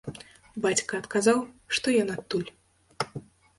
Бацька адказаў, што ён адтуль.